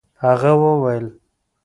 هغه وويل.